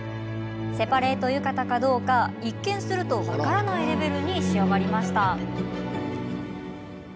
セパレート浴衣かどうか一見すると分からないレベルに仕上がりました。